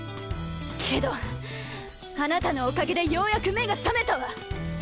けどあなたのおかげでようやく目が覚めたわ。